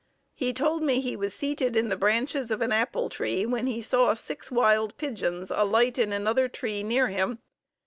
He told me he was seated in the branches of an apple tree when he saw six wild pigeons alight in another tree near him.